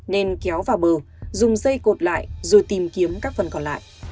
nên kéo vào bờ dùng dây cột lại rồi tìm kiếm các phần còn lại